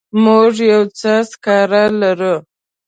موږ یو څه سکاره لرو.